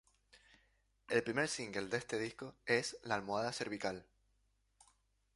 El primer single de este disco es "La almohada cervical".